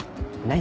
何？